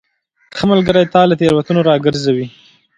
ښه ملګری تا له تیروتنو راګرځوي.